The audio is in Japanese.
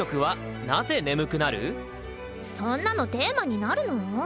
そんなのテーマになるの？